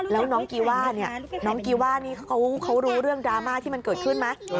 แล้วน้องกีว่าเนี่ยน้องกีว่านี่เขารู้เรื่องดราม่าที่มันเกิดขึ้นไหม